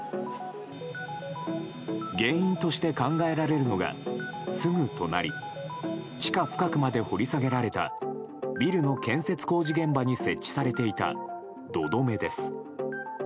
原因として考えられるのがすぐ隣地下深くまで掘り下げられたビルの建設工事現場に設置されていた土留めです。